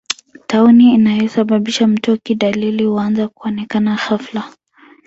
Tauni inayosababisha mtoki Dalili huanza kuonekana ghafla